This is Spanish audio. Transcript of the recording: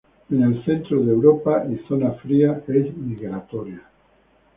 En el centro de Europa y zonas frías es migratoria.